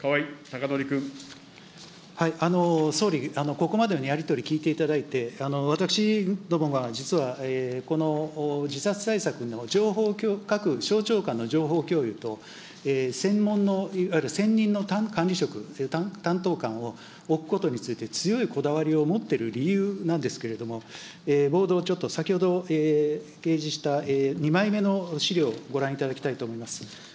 総理、ここまでのやり取り聞いておりまして、私どもが実は、この自殺対策の各省庁間の情報共有と、専門のいわゆる専任の管理職、担当官を置くことについて、強いこだわりを持っている理由なんですけれども、ボードをちょっと、先ほど提示した２枚目の資料、ご覧いただきたいと思います。